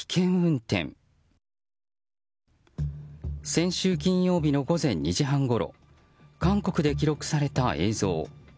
先週金曜日の午前２時半ごろ韓国で記録された映像。